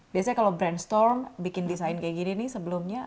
biasanya kalau brainstore bikin desain kayak gini nih sebelumnya